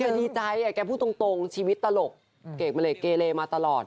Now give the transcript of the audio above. ดีใจแกพูดตรงชีวิตตลกเกรดมาเลยเกเลมาตลอด